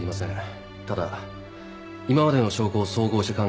ただ今までの証拠を総合して考えると。